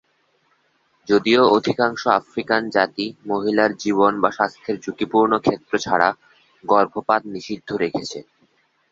যদিও অধিকাংশ আফ্রিকান জাতি, মহিলার জীবন বা স্বাস্থ্যের ঝুঁকিপূর্ণ ক্ষেত্র ছাড়া, গর্ভপাত নিষিদ্ধ রেখেছে।